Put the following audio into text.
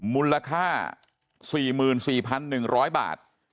มูลค่าสี่หมื่นสี่พันหนึ่งร้อยบาท